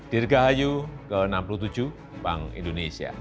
dirgahayu ke enam puluh tujuh bank indonesia